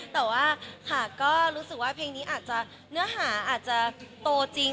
แต่ว่าค่ะก็รู้สึกว่าเพลงนี้อาจจะเนื้อหาอาจจะโตจริง